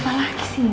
ada apa lagi sih